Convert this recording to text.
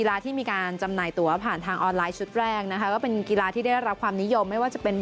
ฟุตบัญชายยิมนาสติกคาราเต้โดแล้วก็